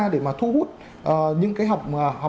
để mà thu hút những cái học